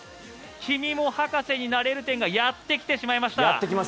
君も博士になれる展がやってきてしまいました。